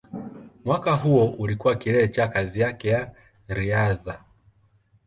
Mwaka huo ulikuwa kilele cha kazi yake ya riadha.